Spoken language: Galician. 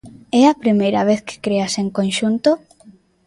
É a primeira vez que creas en conxunto?